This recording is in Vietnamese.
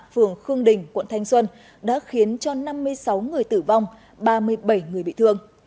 phường khương đình quận thanh xuân đã khiến cho năm mươi sáu người tử vong ba mươi bảy người bị thương